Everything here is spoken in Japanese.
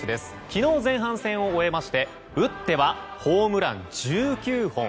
昨日、前半戦を終えまして打ってはホームラン１９本。